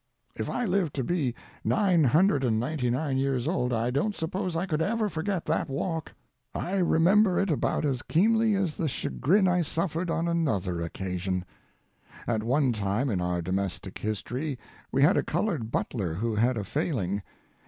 If I live to be nine hundred and ninety nine years old I don't suppose I could ever forget that walk. I remember, it about as keenly as the chagrin I suffered on another occasion. At one time in our domestic history we had a colored butler who had a failing.